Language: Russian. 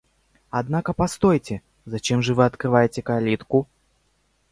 Однако постойте, зачем же вы открываете калитку?